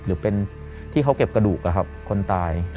หรือเป็นที่เขาเก็บกระดูกคนตาย